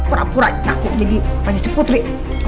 purat purat ngaku jadi panis putri